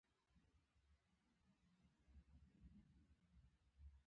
د پراخ بنسټه سیاسي بنسټونو دوام به ټکنی شي.